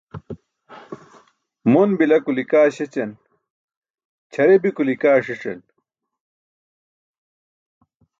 Mon bila kuli kaa śećan, ćʰare bi kuli kaa ṣic̣an.